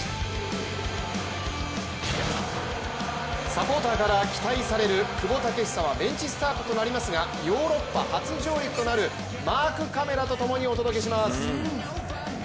サポーターから期待される久保建英はベンチスタートとなりますがヨーロッパ初上陸となるマークカメラとともにお届けします。